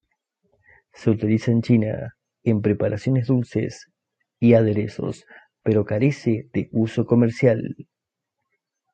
Se utiliza en China en preparaciones dulces y aderezos, pero carece de uso comercial.